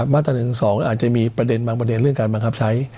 มาตรา๑๑๒อาจจะมีประเด็นบางประเด็นเรื่องการบังคับใช้